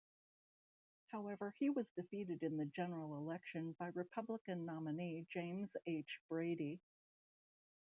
However, he was defeated in the general election by Republican nominee James H. Brady.